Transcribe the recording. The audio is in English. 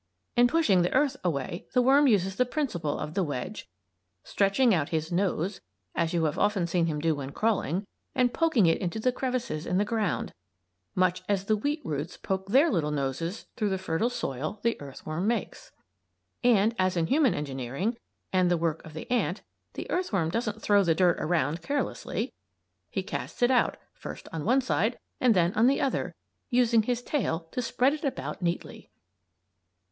In pushing the earth away the worm uses the principle of the wedge, stretching out his "nose" as you have often seen him do when crawling and poking it into the crevices in the ground; much as the wheat roots poke their little noses through the fertile soil the earthworm makes. And, as in human engineering and the work of the ant, the earthworm doesn't throw the dirt around carelessly. He casts it out, first on one side and then on the other; using his tail to spread it about neatly.